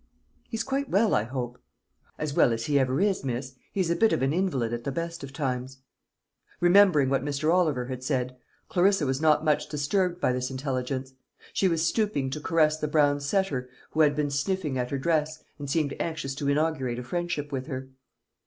"He's quite well, I hope?" "As well as he ever is, miss. He's a bit of an invalid at the best of times." Remembering what Mr. Oliver had said, Clarissa was not much disturbed by this intelligence. She was stooping to caress the brown setter, who had been sniffing at her dress, and seemed anxious to inaugurate a friendship with her.